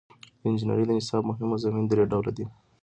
د انجنیری د نصاب مهم مضامین درې ډوله دي.